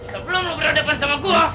sebelum lo berada depan sama gue